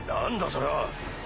それは。